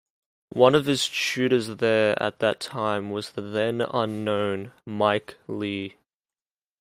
One of his tutors there at that time was the then unknown Mike Leigh.